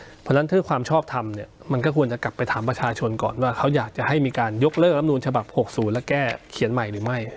เพราะฉะนั้นถ้าความชอบทำเนี่ยมันก็ควรจะกลับไปถามประชาชนก่อนว่าเขาอยากจะให้มีการยกเลิกรับนูลฉบับ๖๐และแก้เขียนใหม่หรือไม่